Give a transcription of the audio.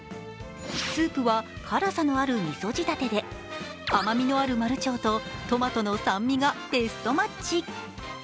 スープは辛さのあるみそ仕立てで、甘みのあるマルチョウとトマトの酸味がベストマッチ。